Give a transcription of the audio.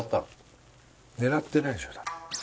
狙ってないでしょ？